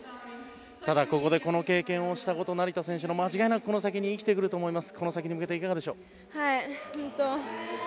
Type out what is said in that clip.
ただここでこの経験をしたこと成田選手の間違いなくこの先生きてくると思います